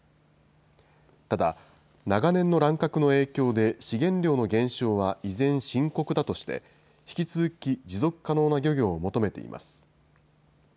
ただ、長年の乱獲の影響で資源量の減少は依然深刻だとして、引き続き持続可能な漁業を求めています。